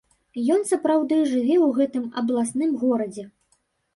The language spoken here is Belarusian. Ён сапраўды жыве ў гэтым абласным горадзе.